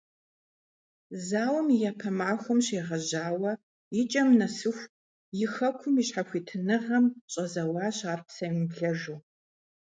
Зауэм и япэ махуэхэм щегъэжьауэ икӀэм нэсыху и хэкум и щхьэхуитыныгъэм щӀэзэуащ ар псэемыблэжу.